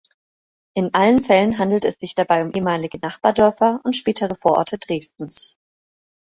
In allen Fällen handelt es sich dabei um ehemalige Nachbardörfer und spätere Vororte Dresdens.